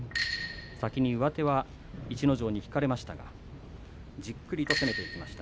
先に上手を逸ノ城に引かれましたがじっくりと相撲を取っていきました。